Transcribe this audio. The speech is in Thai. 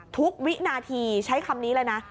วินาทีใช้คำนี้เลยนะ